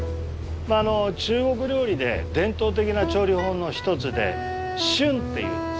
中国料理で伝統的な調理法の一つで「燻」っていうですね